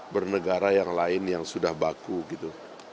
bernegara yang lain yang sudah baku gitu